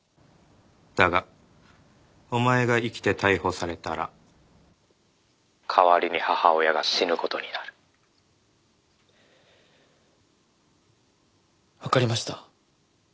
「だがお前が生きて逮捕されたら代わりに母親が死ぬ事になる」わかりました。